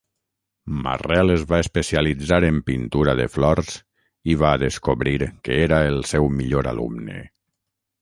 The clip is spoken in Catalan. Marrel es va especialitzar en pintura de flors i va descobrir que era el seu millor alumne.